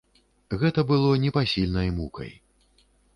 Гэта было непасільнай мукай.